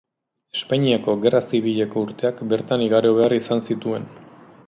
Espainiako Gerra Zibileko urteak bertan igaro behar izan zituen.